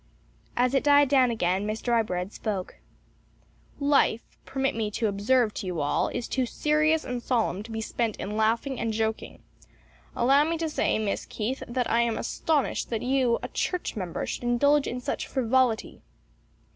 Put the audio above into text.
As it died down again, Miss Drybread spoke. "Life, permit me to observe to you all, is too serious and solemn to be spent in laughing and joking. Allow me to say, Miss Keith, that I am astonished that you, a church member, should indulge in such frivolity."